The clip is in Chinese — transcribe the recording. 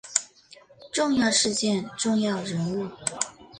重要事件重要人物